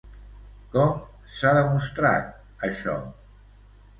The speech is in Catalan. Com s'ha demostrat, això?